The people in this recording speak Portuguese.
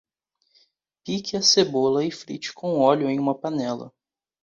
Pique a cebola e frite com óleo em uma panela.